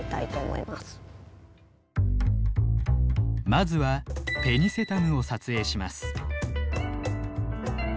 まずはペニセタムを撮影します。